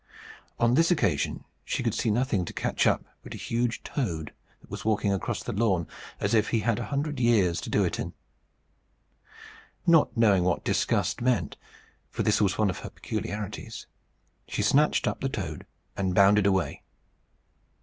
On this occasion she could see nothing to catch up but a huge toad, that was walking across the lawn as if he had a hundred years to do it in. Not knowing what disgust meant, for this was one of her peculiarities, she snatched up the toad and bounded away.